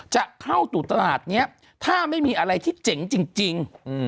จะเข้าสู่ตลาดนี้ถ้าไม่มีอะไรที่เจ๋งจริง